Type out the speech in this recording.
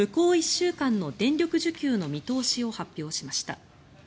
１週間の電力需給の見通しを発表しました。